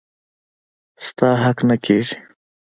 ستا حق نه کيږي.